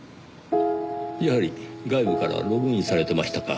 やはり外部からログインされてましたか。